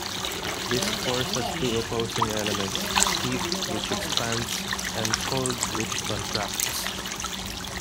This force has two opposing elements: heat, which expands, and cold, which contracts.